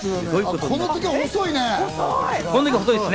この時は細いね。